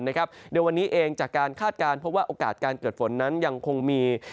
โดยวันนี้เองจากการคาดการณ์เพราะว่าโอกาสการเกิดฝนนั้นยังคงมี